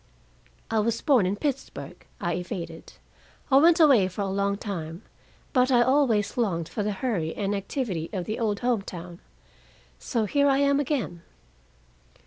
"I was born in Pittsburgh," I evaded. "I went away for a long time, but I always longed for the hurry and activity of the old home town. So here I am again."